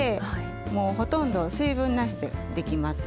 もうほとんど水分なしでできます。